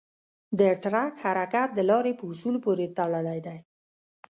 د ټرک حرکت د لارې په اصولو پورې تړلی دی.